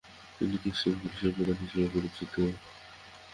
তিনি কিস্টোন পুলিশের প্রধান হিসেবে পরিচিত।